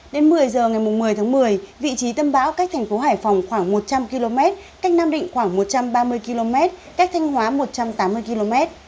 đến một mươi giờ ngày một mươi tháng một mươi vị trí tâm bão cách thành phố hải phòng khoảng một trăm linh km cách nam định khoảng một trăm ba mươi km cách thanh hóa một trăm tám mươi km